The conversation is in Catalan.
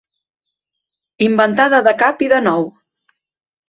Inventada de cap i de nou.